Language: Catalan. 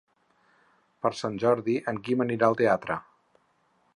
Per Sant Jordi en Quim anirà al teatre.